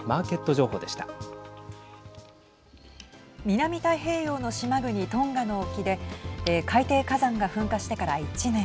南太平洋の島国トンガの沖で海底火山が噴火してから１年。